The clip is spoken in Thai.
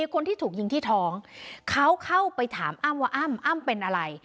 คนที่ถูกยิงที่ท้องเขาเข้าไปถามอ้ำว่าอ้ำอ้ำเป็นอะไร